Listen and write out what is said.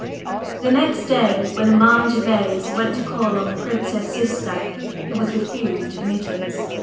/The/ next day when Armand Gervase went to call on the Princess Ziska he was refused admittance.